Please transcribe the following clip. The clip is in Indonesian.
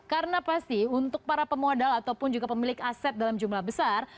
karena pasti untuk para pemodal ataupun juga pemilik aset dalam jumlah besar